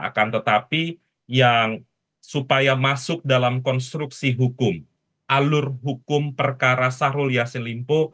akan tetapi yang supaya masuk dalam konstruksi hukum alur hukum perkara sahrul yassin limpo